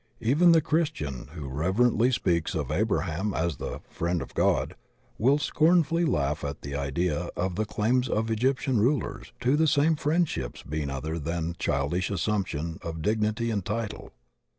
Even the Christian who reverently speaks of Abraham as "the friend of God," will scornfully laugh at the idea of tfie claims of Egyptian rulers to the same friendship being other than childish assumption of dignity and title.